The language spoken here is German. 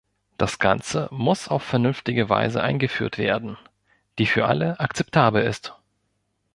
Das Ganze muss auf vernünftige Weise eingeführt werden, die für alle akzeptabel ist.